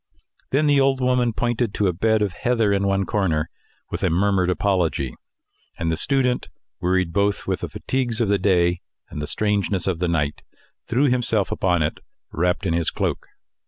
Then the old woman pointed to a bed of heather in one corner with a murmured apology; and the student, wearied both with the fatigues of the day and the strangeness of the night, threw himself upon it, wrapped in his cloak.